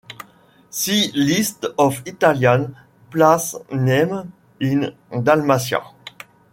See List of Italian place names in Dalmatia.